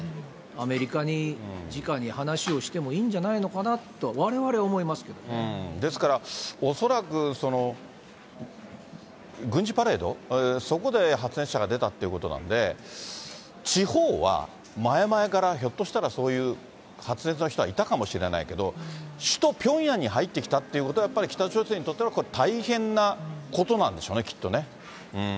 アメリカに直に話をしてもいいんじゃないのかなと、われわれは思ですから、恐らく軍事パレード、そこで発熱者が出たということなんで、地方は前々からひょっとしたらそういう発熱の人はいたかもしれないけど、首都ピョンヤンに入ってきたということは、やっぱり北朝鮮にとっては大変なことなんでしょうね、きっとね。